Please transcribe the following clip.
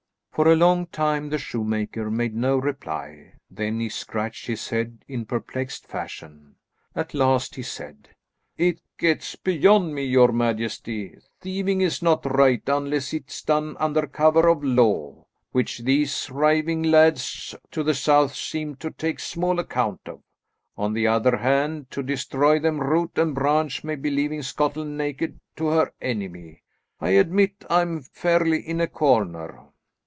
For a long time the shoemaker made no reply; then he scratched his head in perplexed fashion. At last he said: "It gets beyond me, your majesty. Thieving is not right unless it's done under cover of law, which these reiving lads to the South seem to take small account of. On the other hand, to destroy them root and branch may be leaving Scotland naked to her enemy. I admit I'm fairly in a corner."